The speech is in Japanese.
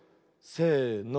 せの。